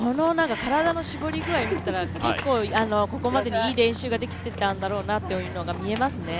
体の絞り具合を見たら結構ここまでにいい練習ができてきたんだなと思いますね。